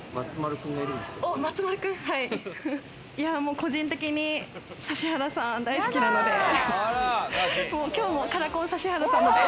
個人的に指原さん大好きなので、今日もカラコン、指原さんのです。